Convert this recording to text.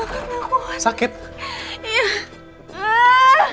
rik aku sakit banget nakuat